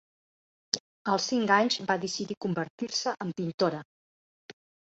Als cinc anys va decidir convertir-se en pintora.